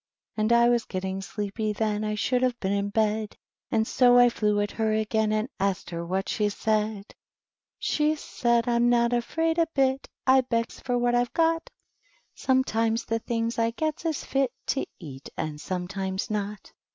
And I was getting sleepy then, 1 should have been in bed. And so I flew at her again And asked her what she said. * h 10* THE WHITE KNIGHT. She mid, 'I'm not afraid a bit; I begs for wkai I've got. Sometimes the thinga I gets is fit To eat, and sometimes not.